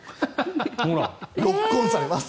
ロックオンされます。